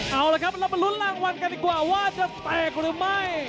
เอาละครับเรามาลุ้นรางวัลกันดีกว่าว่าจะแตกหรือไม่